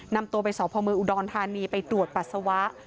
นำตัวไปสอบภอมเมืองอุดรธานีไปตรวจปัสสาวะ